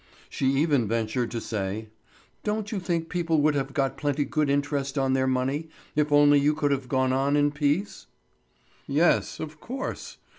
She even ventured to say: "Don't you think people would have got pretty good interest on their money, if only you could have gone on in peace?" "Yes, of course!